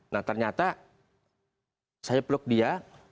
nah ternyata saya peluk dia